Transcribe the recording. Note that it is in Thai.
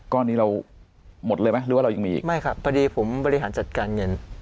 นี้เราหมดเลยไหมหรือว่าเรายังมีอีกไม่ครับพอดีผมบริหารจัดการเงิน